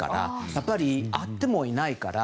やっぱり会ってもいないから。